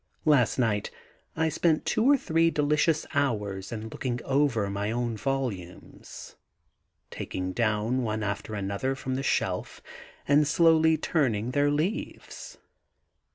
Last night I spent two or three delicious hours in looking over my own volumes, taking down one after another from the shelf, and slowly turning their leaves.